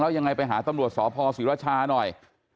แล้วยังไงไปหาตำรวจสภศิรชาหน่อย